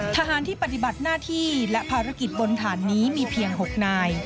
ทหารที่ปฏิบัติหน้าที่และภารกิจบนฐานนี้มีเพียง๖นาย